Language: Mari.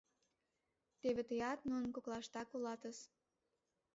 Теве тыят нунын коклаштак улатыс.